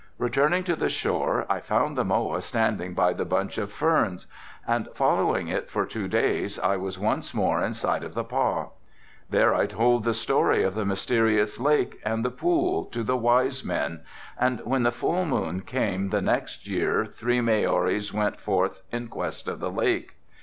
'" "Returning to the shore, I found the moa standing by the bunch of ferns and following it for two days I was once more in sight of the pah. There I told the story of the mysterious lake and the pool to the wise men and when the full moon came the next year three Maoris went forth in quest of the lake.